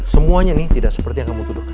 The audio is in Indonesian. semuanya ini tidak seperti yang kamu tuduhkan